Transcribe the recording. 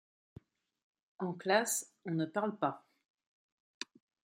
en classe, on ne parle pas